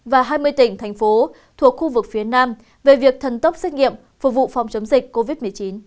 và hai mươi tỉnh thành phố thuộc khu vực phía nam về việc thần tốc xét nghiệm phục vụ phòng chống dịch covid một mươi chín